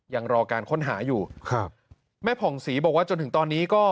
ยังรอการค้นหาอยู่ครับแม่ผ่องศรีบอกว่าจนถึงตอนนี้ก็